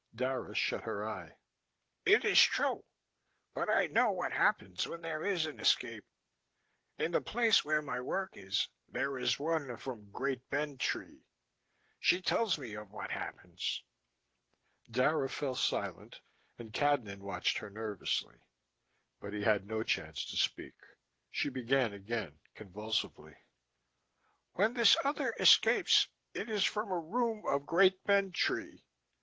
Dara shut her eye. "It is true. But I know what happens when there is an escape. In the place where my work is, there is one from Great Bend Tree. She tells me of what happens." Dara fell silent and Cadnan watched her nervously. But he had no chance to speak: she began again, convulsively. "When this other escapes it is from a room of Great Bend Tree."